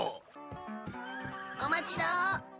お待ちどお。